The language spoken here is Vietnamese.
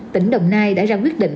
tỉnh đồng nai đã ra quyết định